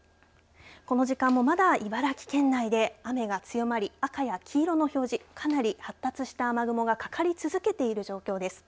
この時間も、まだ茨城県内で雨が強まり、赤や黄色の表示かなり発達した雨雲がかかり続けている状況です。